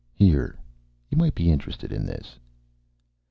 "Here. You might be interested in this."